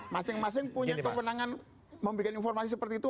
masing masing punya kewenangan memberikan informasi seperti itu